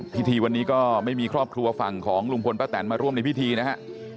พิธีวันนี้ก็ไม่มีครอบครัวฝั่งของลุงพลป้าแตนมาร่วมในพิธีนะฮะ